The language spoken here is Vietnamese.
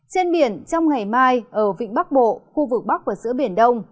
trên biển trong ngày mai ở vịnh bắc bộ khu vực bắc và giữa biển đông